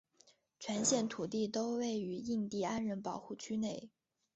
全县土地都位于印地安人保护区内。